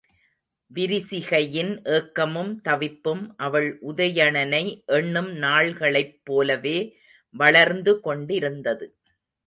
விரிசிகையின் ஏக்கமும் தவிப்பும், அவள் உதயணனை எண்ணும் நாள்களைப் போலவே வளர்ந்து கொண்டிருந்தது.